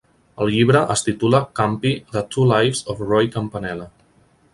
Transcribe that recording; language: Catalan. El llibre es titula "Campy - The Two Lives of Roy Campanella".